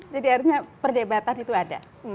artinya perdebatan itu ada